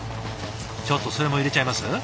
ちょっとそれも入れちゃいます？